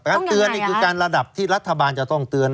เตือนนี่คือการระดับที่รัฐบาลจะต้องเตือน